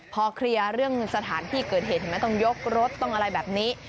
พอเคลียร์เรื่องสถานที่เกิดเหตุตรงยกรถตรงอะไรแบบนี้